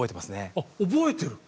あっ覚えてる。